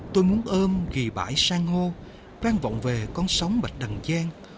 tôi muốn ôm ghi bãi sang hô vang vọng về con sóng bạch đằng gian